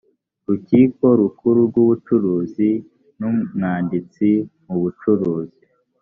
rukiko rukuru rw ubucuruzi n umwanditsi mubucuruzi